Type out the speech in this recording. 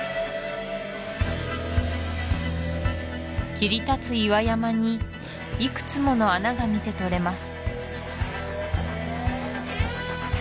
切り立つ岩山にいくつもの穴が見てとれます